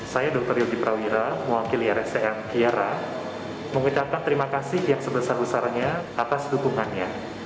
saya dr yogi prawira mewakili rscm kiara mengucapkan terima kasih yang sebesar besarnya atas dukungannya